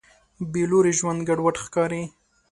بېلوري ژوند ګډوډ ښکاري.